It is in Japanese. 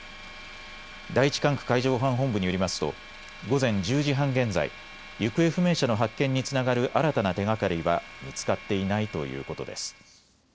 第１管区海上保安本部によりますと午前１０時半現在、行方不明者の発見につながる新たな手がかりは見つかっていないということです。